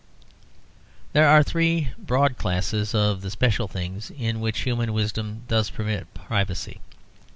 There are three broad classes of the special things in which human wisdom does permit privacy.